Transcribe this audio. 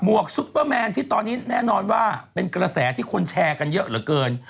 วกซุปเปอร์แมนที่ตอนนี้แน่นอนว่าเป็นกระแสที่คนแชร์กันเยอะเหลือเกิน